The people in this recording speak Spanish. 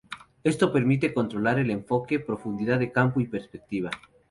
Esto permite controlar el enfoque, profundidad de campo y perspectiva.